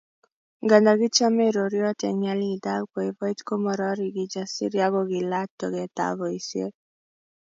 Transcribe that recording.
Nganda kichomei roriot eng nyalilda ak boiboiyet komorori Kijasiri ako kiilach togetab boisiet